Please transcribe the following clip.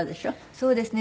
そうですね。